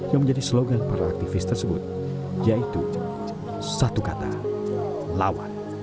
yang menjadi slogan para aktivis tersebut yaitu satu kata lawan